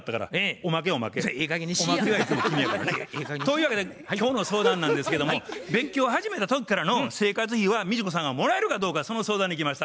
おまけはいつも君やからね。というわけで今日の相談なんですけども別居を始めた時からの生活費は道子さんがもらえるかどうかその相談に来ました。